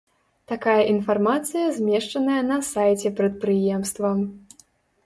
Такая інфармацыя змешчаная на сайце прадпрыемства.